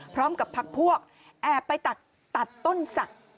พร้อมกับพักพวกแอบไปตัดต้นศักดิ์